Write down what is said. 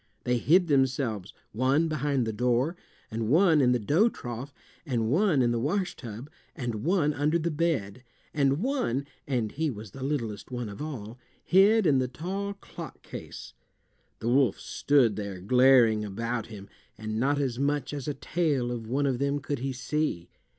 They hid themselves one behind the door, and one in the dough trough, and one in the wash tub, and one under the bed, and one (and he was the littlest one of all) hid in the tall clock case. The wolf stood there glaring about him, and not as much as a tail of one of them could he see.